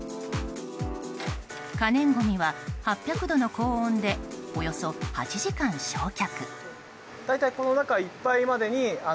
可燃ごみは８００度の高温でおよそ８時間焼却。